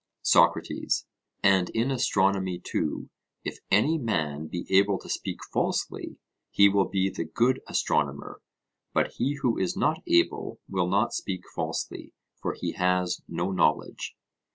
SOCRATES: And in astronomy, too, if any man be able to speak falsely he will be the good astronomer, but he who is not able will not speak falsely, for he has no knowledge.